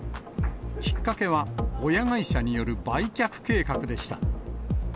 きっかけは、親会社による売却計画でした。